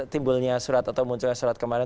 timbulnya surat atau munculnya surat kemarin